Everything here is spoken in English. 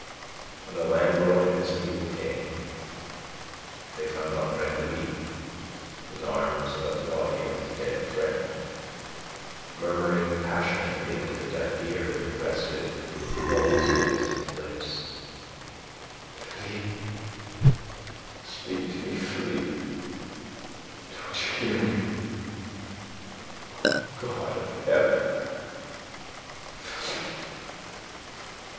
When the landlord and his people came, they found Andre Louis, his arms about the body of his dead friend, murmuring passionately into the deaf ear that rested almost against his lips: "Philippe! Speak to me, Philippe! Philippe... Don't you hear me? O God of Heaven! Philippe!"